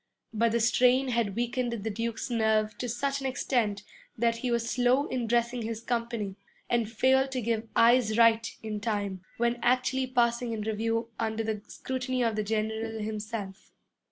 But the strain had weakened the Duke's nerve to such an extent that he was slow in dressing his company and failed to give 'Eyes right' in time, when actually passing in review under the scrutiny of the general himself.